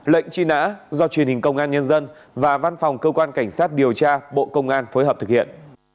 lệnh truy nã do truyền hình công an nhân dân và văn phòng cơ quan cảnh sát điều tra bộ công an phối hợp thực hiện